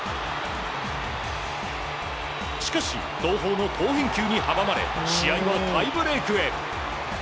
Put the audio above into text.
しかし、東邦の好返球に阻まれ試合はタイブレークへ。